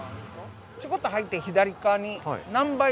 ちょこっと入って左側にナンバ